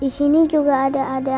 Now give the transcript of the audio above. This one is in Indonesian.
di sini juga ada ada